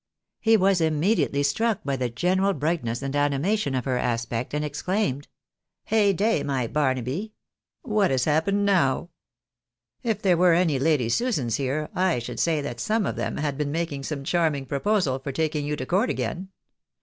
He was immediately struck by the general brightness and animation of her aspect, and exclaimed —" Heyday, my Barnaby !— what has happened now ? If there were any Lady Susans here, I should say that some of them had been making some charming proposal for taking you to court again.